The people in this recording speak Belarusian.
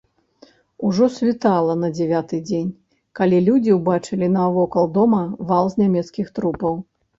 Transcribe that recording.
Ужо світала на дзевяты дзень, калі людзі ўбачылі навокал дома вал з нямецкіх трупаў.